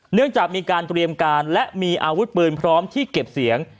เนื่องจากมีการเตรียมการและมีอาวุธปืนพร้อมที่เก็บเสียง